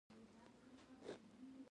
هغوی د پاک شمیم سره په باغ کې چکر وواهه.